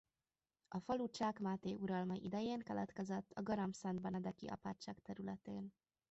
A falu Csák Máté uralma idején keletkezett a garamszentbenedeki apátság területén.